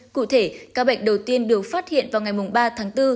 cụ thể ca bệnh đầu tiên được phát hiện vào ngày ba tháng bốn